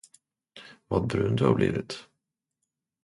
Vad brun du har blivit!